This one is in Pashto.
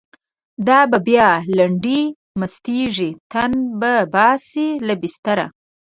دا به بیا لنډۍ مستیږی، تن به باسی له بستره